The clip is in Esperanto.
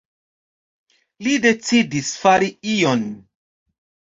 Li decidis „fari ion“.